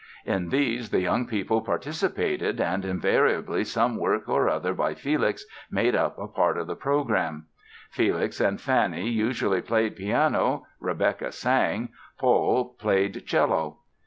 In these the young people participated and invariably some work or other by Felix made up a part of the program. Felix and Fanny usually played piano, Rebecka sang, Paul played cello.